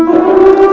aku akan menang